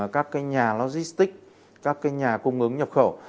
các nhà logistics các nhà cung ứng nhập khẩu